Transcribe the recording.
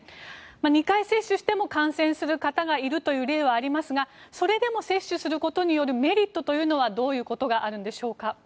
２回接種しても感染する方がいるという例はありますがそれでも接種することによるメリットというのはどういうことがあるんでしょう？